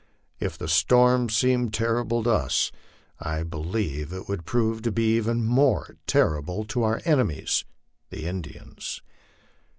If the storm seemed terrible to us, I believed it would prove to be even more terrible to our enemies, the Indians.